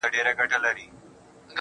ژوند یې ښه شو